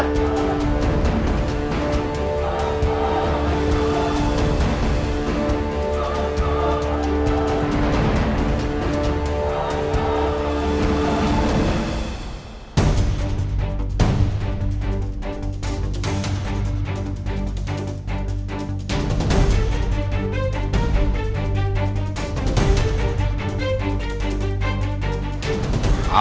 bapak bapak bapak